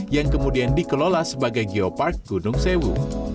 yang kemudian dikelola sebagai geopark gunung sewu